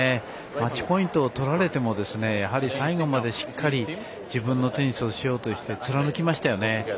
マッチポイントも取られても最後まで、しっかり自分のテニスをしようとして貫きましたよね。